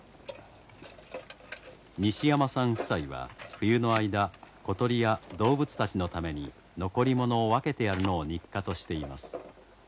西山さん夫妻は冬の間小鳥や動物たちのために残り物を分けてやるのを日課としています。